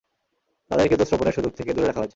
তাদেরকে তো শ্রবণের সুযোগ থেকে দূরে রাখা হয়েছে।